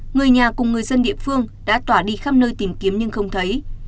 người nhà cùng người dân địa phương đã tỏa đi khắp nơi tìm kiếm nhưng không thấy